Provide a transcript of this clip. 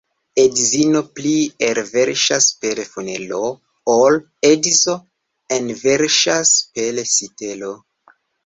Edzino pli elverŝas per funelo, ol edzo enverŝas per sitelo.